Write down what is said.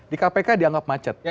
di kpk dianggap macet